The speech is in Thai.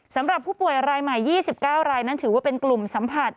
สำหรับผู้ป่วยรายใหม่๒๙รายนั้นถือว่าเป็นกลุ่มสัมผัส